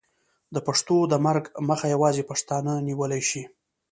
د پښتو د مرګ مخه یوازې پښتانه نیولی شي.